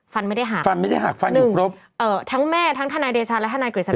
ฟันไม่ได้หากหนึ่งเอ่อทั้งแม่ทั้งท่านายเดชาและท่านายกริจสนาม